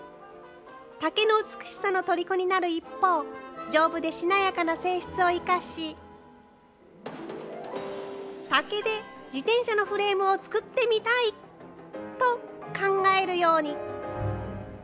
竹の美しさのとりこになる一方、丈夫でしなやかな性質を生かし、竹で自転車のフレームを作ってみたい！と、考えるように。